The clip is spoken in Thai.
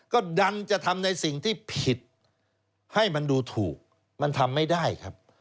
ก็ดันจะทำในสิ่งที่ผิดให้มันดูถูกมันทำไม่ได้ครับ